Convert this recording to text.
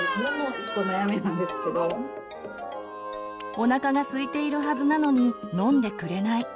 おなかがすいているはずなのに飲んでくれない。